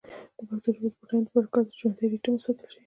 د پښتو ژبې د بډاینې لپاره پکار ده چې ژوندی ریتم وساتل شي.